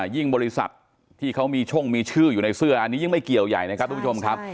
ยิ่งบริษัทที่เขามีช่องมีชื่ออยู่ในเสื้ออันนี้ยิ่งไม่เกี่ยวใหญ่นะครับทุกผู้ชมครับ